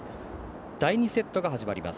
第２セットが始まります。